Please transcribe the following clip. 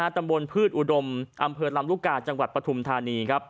ตำบลพืชอุดมอำเภอลำลูกกาจังหวัดปฐุมธานี